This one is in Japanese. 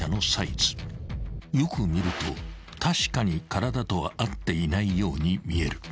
［よく見ると確かに体とは合っていないように見える］